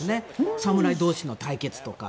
侍同士の対決とか。